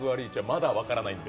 まだ分からないので。